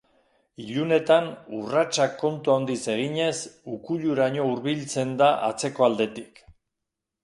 Ilunetan, urratsak kontu handiz eginez, ukuiluraino hurbiltzen da atzeko aldetik.